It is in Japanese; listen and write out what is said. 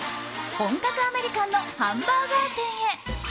本格アメリカンのハンバーガー店へ。